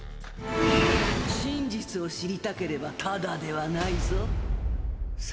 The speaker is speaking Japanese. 真実を知りたければタダではないぞ。